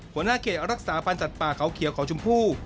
หัวหน้าเขตรักษาพันธ์สัตว์ป่าเขาเขียวเขาชมพู่